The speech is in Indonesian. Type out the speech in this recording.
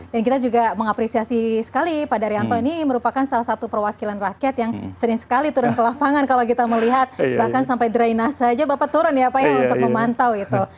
dan kita juga mengapresiasi sekali pak daryanto ini merupakan salah satu perwakilan rakyat yang sering sekali turun ke lapangan kalau kita melihat bahkan sampai drainasa saja bapak turun ya pak untuk memantau itu